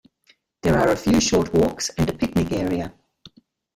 There are a few short walks and a picnic area.